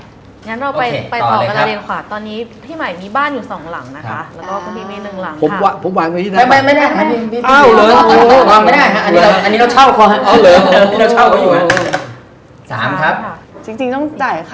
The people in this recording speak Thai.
งั้นเราไปต่อกันเลยอย่างเดี่ยงขวาตอนนี้พี่ใหม่มีบ้านอยู่๒หลังนะคะแล้วก็พี่มี๑หลังค่ะ